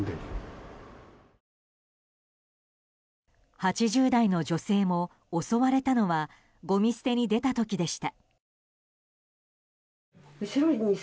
８０代の女性も襲われたのはごみ捨てに出た時でした。